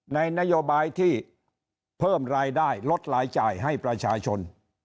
นโยบายที่เพิ่มรายได้ลดรายจ่ายให้ประชาชน